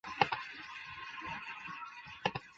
瑟雷人口变化图示